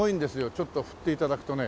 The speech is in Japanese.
ちょっと振って頂くとね